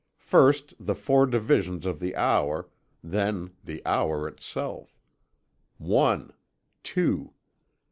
First, the four divisions of the hour, then the hour itself. One, Two.